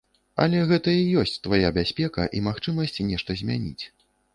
Але гэта і ёсць твая бяспека і магчымасць нешта змяніць.